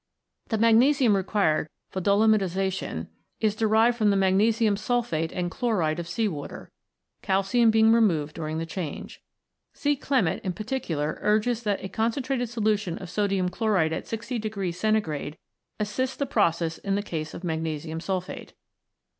The magnesium required for dolomitisation is derived from the magnesium sulphate and chloride of sea water, calcium being removed during the change. C. Klement in particular urges that a concentrated solution of sodium chloride at 60 C. assists the process in the case of magnesium sulphate.